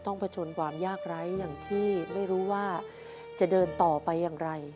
ผจญความยากไร้อย่างที่ไม่รู้ว่าจะเดินต่อไปอย่างไร